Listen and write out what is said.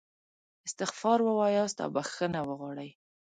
استغفار ووایاست او بخښنه وغواړئ.